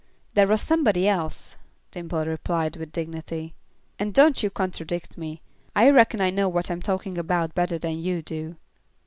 "There was somebody else," Dimple replied, with dignity. "And don't you contradict me. I reckon I know what I'm talking about better than you do."